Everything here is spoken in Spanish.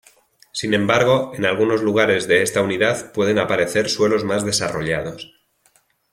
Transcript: Sin embargo, en algunos lugares de esta unidad pueden aparecer suelos más desarrollados.